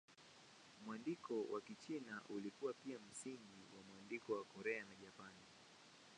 Mwandiko wa Kichina ulikuwa pia msingi wa mwandiko wa Korea na Japani.